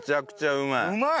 うまい！